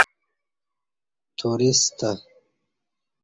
توریستہ